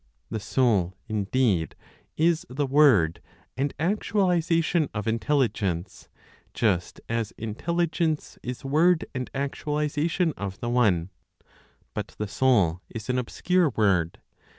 The Soul, indeed, is the word and actualization of Intelligence, just as Intelligence is word and actualization of the One. But the Soul is an obscure word.